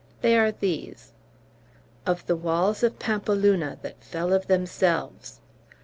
They are these: "Of the Walls of Pampeluna, that fell of themselves."